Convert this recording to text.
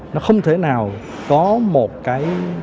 nó không thể nào có một cái